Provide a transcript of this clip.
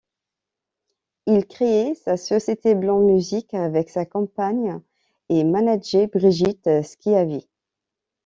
Il crée sa Société Blanc Musiques avec sa compagne et manager Brigitte Skiavi.